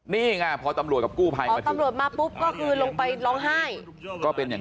นี่ไงพอตำรวจกับกู้ภัยมาถึง